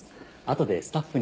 後でスタッフに。